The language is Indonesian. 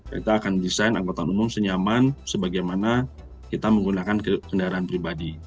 kita akan desain anggota umum senyaman sebagaimana kita menggunakan kendaraan pribadi